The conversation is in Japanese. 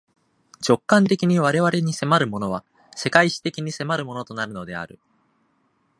直観的に我々に迫るものは、世界史的に迫るものとなるのである。